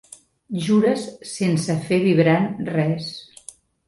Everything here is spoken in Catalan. Jures sense fer vibrant res.